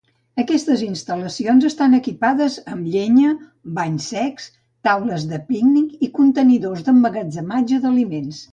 Aquestes instal·lacions estan equipades amb llenya, banys secs, taules de pícnic i contenidors d'emmagatzematge d'aliments.